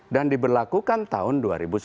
dan diberlakukan tahun dua ribu sembilan belas